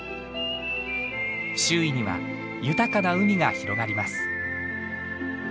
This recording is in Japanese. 周囲には豊かな海が広がります。